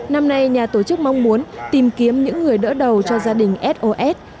năm nay nhà tổ chức mong muốn tìm kiếm những người đỡ đầu cho gia đình sos